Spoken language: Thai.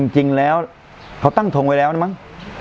จริงแล้วเขาตั้งทงไว้แล้วนะมั้ง